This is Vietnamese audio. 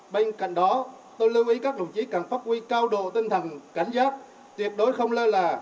bên cạnh đó tôi lưu ý các đồng chí cần phát huy cao độ tinh thần cảnh giác tuyệt đối không lơ là